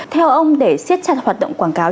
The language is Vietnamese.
theo ông để siết chặt hoạt động quảng cáo